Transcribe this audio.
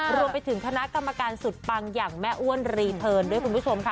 รวมไปถึงคณะกรรมการสุดปังอย่างแม่อ้วนรีเทิร์นด้วยคุณผู้ชมค่ะ